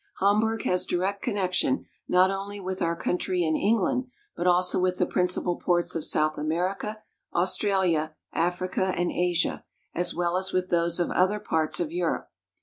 Hamburg has direct connection, not only with our coun try and England, but also with the principal ports of South America, Australia, Africa, and Asia, as well as with those of other parts of Europe.